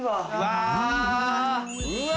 うわ。